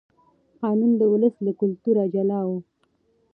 قانون د ولس له کلتوره جلا و.